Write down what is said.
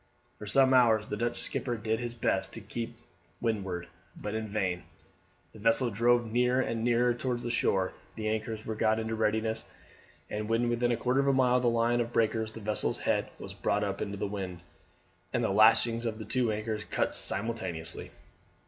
For some hours the Dutch skipper did his best to beat to windward, but in vain, the vessel drove nearer and nearer towards the shore; the anchors were got in readiness, and when within a quarter of a mile of the line of breakers the vessel's head was brought up into the wind, and the lashings of the two anchors cut simultaneously.